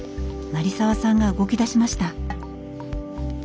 成澤さんが動き出しました。